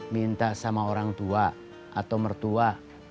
minta sama orang tua atau mertua